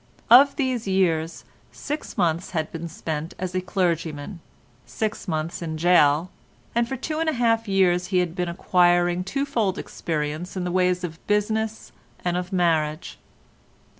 Of these years, six months had been spent as a clergyman, six months in gaol, and for two and a half years he had been acquiring twofold experience in the ways of business and of marriage.